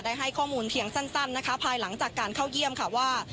ให้ข้อมูลเพียงสั้นนะคะภายหลังจากการเข้าเยี่ยมค่ะว่า